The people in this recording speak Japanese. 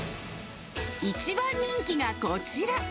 一番人気がこちら。